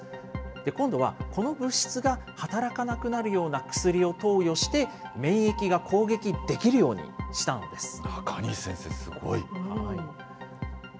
今度はこの物質が働かなくなるような薬を投与して免疫が攻撃でき中西先生、すごい。